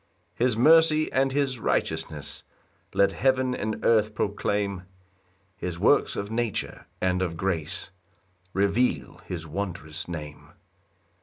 2 His mercy and his righteousness Let heaven and earth proclaim; His works of nature and of grace Reveal his wondrous name.